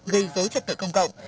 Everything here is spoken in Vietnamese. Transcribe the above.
gây dối trật tự công cộng